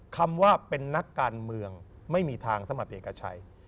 คำว่าเป็นนักการเมืองไม่มีทางสำหรับเอกชัย